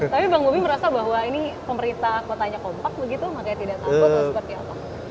tapi bang bobi merasa bahwa ini pemerintah kotanya kompak begitu makanya tidak takut atau seperti apa